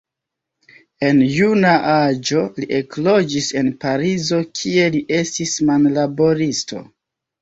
En juna aĝo li ekloĝis en Parizo, kie li estis manlaboristo.